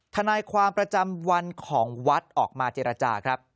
ทนายความประจำวันของวัดออกมาเจรจาครับ